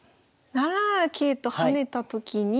７七桂と跳ねたときに。